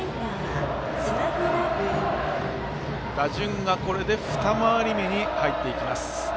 打順はこれで２回り目に入っていきます。